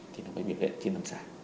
thì nó mới bị vệnh chín năm sáng